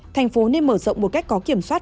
thành phố nên mở rộng một cách có kiểm soát